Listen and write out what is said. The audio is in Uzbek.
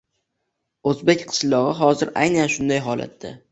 O‘zbek qishlog‘i hozir aynan shunday holatda